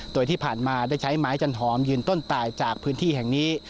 โดยที่ผ่านมาได้ใช้ไม้จันหอมยืนต้นตายจากพื้นที่แห่งนี้